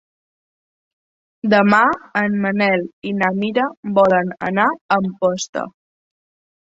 Demà en Manel i na Mira volen anar a Amposta.